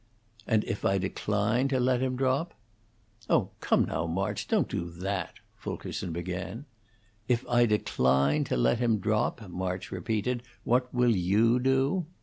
"And if I decline to let him drop?" "Oh, come, now, March; don't do that," Fulkerson began. "If I decline to let him drop," March repeated, "what will you do?"